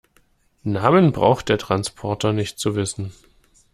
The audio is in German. Namen braucht der Transporter nicht zu wissen.